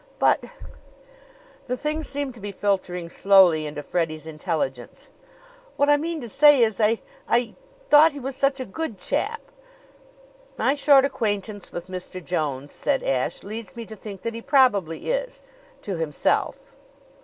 "But" the thing seemed to be filtering slowly into Freddie's intelligence "what I mean to say is, I I thought he was such a good chap." "My short acquaintance with Mr. Jones," said Ashe "leads me to think that he probably is to himself."